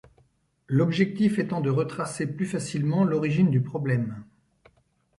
L'objectif étant de retracer plus facilement l'origine du problème.